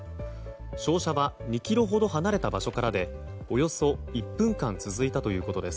照射は２ｋｍほど離れた場所からでおよそ１分間続いたということです。